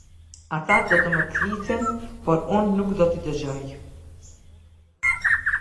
Ata do të më klithin, por unë nuk do t’i dëgjoj.